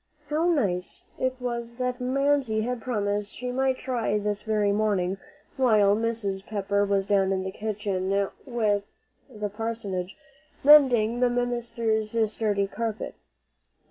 How nice it was that Mamsie had promised she might try this very morning while Mrs. Pepper was down at the parsonage, mending the minister's study carpet.